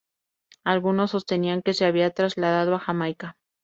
Algunos sostenían que se había trasladado a Jamaica.